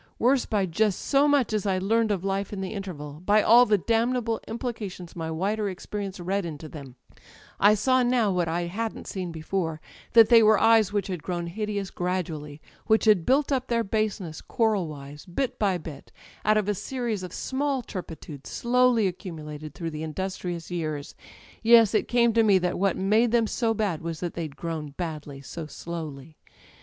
Worse by just so much_ asjid learned of life in the interval; by all the danmable impli cations my wider experience read into then^ I saw now what I hadn't seen before: that they were eyes which had grown hideous gradually, which had built up their baseness coral wise, bit by bit, out of a series of small turpitudes slowly accumulated through the industrious years. Yes â€" it came to me that what made them so bad was that they'd grown bad so slowly